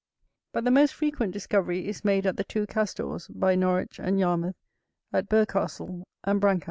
But the most frequent discovery is made at the two Castors by Norwich and Yarmouth at Burghcastle, and Brancaster.